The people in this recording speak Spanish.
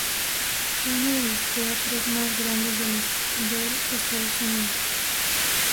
Fue uno de los teatros más grandes del Estados Unidos.